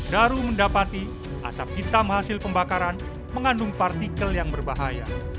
daru mendapati asap hitam hasil pembakaran mengandung partikel yang berbahaya